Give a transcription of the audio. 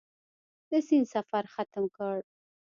د سیند سفر ختم کړ.